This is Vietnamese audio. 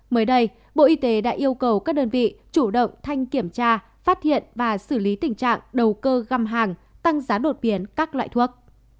mới đây bộ y tế đã yêu cầu các đơn vị chủ động thanh kiểm tra phát hiện và xử lý tình trạng đầu cơ găm hàng tăng giá đột biến các loại thuốc